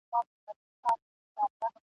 د خُم له وچو شونډو محتسب دی باج اخیستی ..